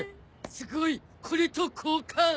すごい！これと交換。